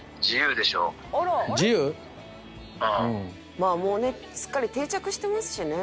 まあもうねすっかり定着してますしね。